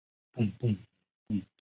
小穆瓦厄夫尔人口变化图示